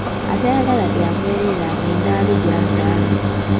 Atayagala bya bwereere agende abbe gy’azaalwa.